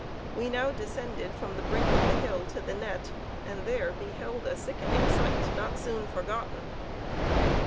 We now descended from the brink of the hill to the net, and there beheld a sickening sight not soon forgotten.